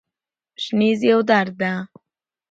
شنیز یوه دره ده